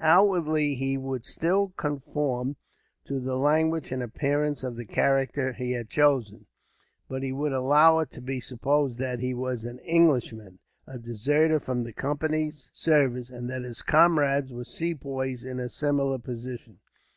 Outwardly, he would still conform to the language and appearance of the character he had chosen; but he would allow it to be supposed that he was an Englishman, a deserter from the Company's service, and that his comrades were Sepoys in a similar position.